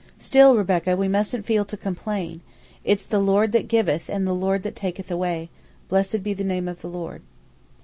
Still, Rebecca, we mustn't feel to complain. It's the Lord that giveth and the Lord that taketh away: Blessed be the name of the Lord."